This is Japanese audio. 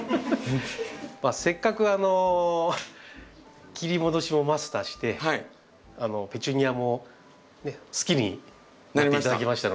せっかく切り戻しもマスターしてペチュニアも好きになって頂きましたので。